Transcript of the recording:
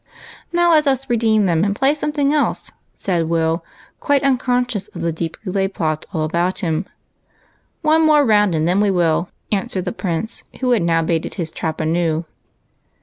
" Now let us redeem them and play something else," said Will, quite unconscious of the deeply laid plots all about him. " One more round and then we will," answered the Prince, who had now baited his trap anew.